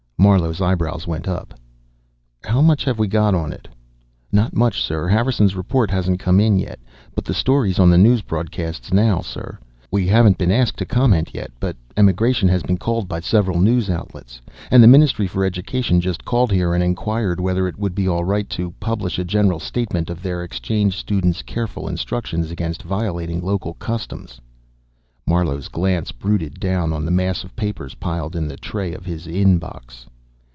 Marlowe's eyebrows went up. "How much have we got on it?" "Not too much, sir. Harrison's report hasn't come in yet. But the story's on the news broadcasts now, sir. We haven't been asked to comment yet, but Emigration has been called by several news outlets, and the Ministry for Education just called here and inquired whether it would be all right to publish a general statement of their exchange students' careful instructions against violating local customs." Marlowe's glance brooded down on the mass of papers piled in the tray of his IN box.